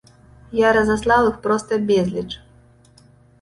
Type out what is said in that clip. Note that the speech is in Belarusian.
Я разаслаў іх проста безліч.